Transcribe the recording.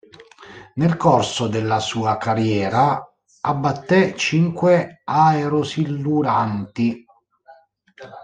Nel corso della sua carriera abbatté cinque aerosiluranti.